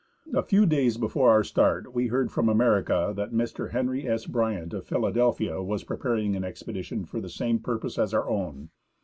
A few days before our start, we heard from America that Mr. Henry S. Bryant, of Philadelphia, was preparing an expedition for the same purpose as our own.